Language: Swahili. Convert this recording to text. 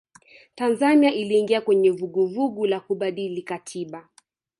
tanzania iliingia kwenye vuguvugu la kubadili katiba